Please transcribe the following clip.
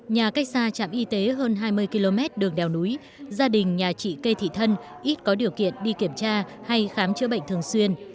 nhà cách xa trạm y tế hơn hai mươi km đường đèo núi gia đình nhà chị cây thị thân ít có điều kiện đi kiểm tra hay khám chữa bệnh thường xuyên